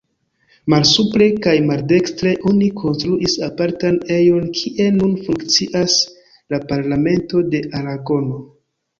Malsupre kaj, maldekstre, oni konstruis apartan ejon kie nun funkcias la parlamento de Aragono.